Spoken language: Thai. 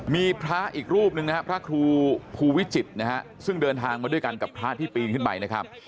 มีพระอีกรูปหนึ่งนะครับพระครูภูวิจิตรนะฮะซึ่งเดินทางมาด้วยกันกับพระที่ปีนขึ้นไปนะครับ